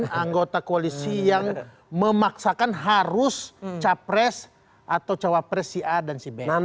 ada anggota koalisi yang memaksakan harus capres atau cawapres si a dan si b